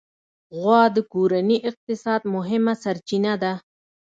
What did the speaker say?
غوا د کورني اقتصاد مهمه سرچینه ده.